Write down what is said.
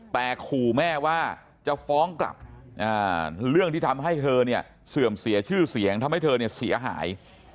แต่ขู่แม่ว่าจะฟ้องกลับเรื่องที่ทำให้เธอเนี่ยเสื่อมเสียชื่อเสียงทำให้เธอเนี่ยเสียหาย